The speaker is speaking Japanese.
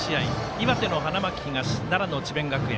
岩手の花巻東、奈良の智弁学園。